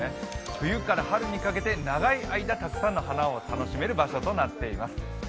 冬から春にかけて長い間、たくさんの花を楽しめる場所となっています。